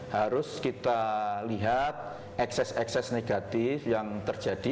harus kita lihat ekses ekses negatif yang terjadi